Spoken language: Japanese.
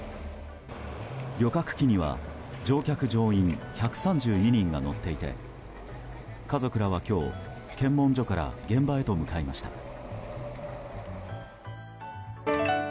旅客機には乗客・乗員１３２人が乗っていて家族らは今日、検問所から現場へと向かいました。